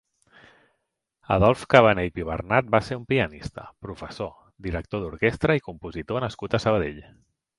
Adolf Cabané i Pibernat va ser un pianista, professor, director d'orquestra i compositor nascut a Sabadell.